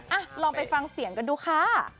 อ่ะลองไปฟังเสียงกันดูค่ะ